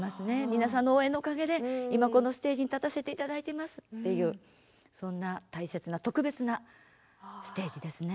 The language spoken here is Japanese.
皆さんの応援のおかげでこのステージに立たせていただいていますというそんな大切な特別なステージですね。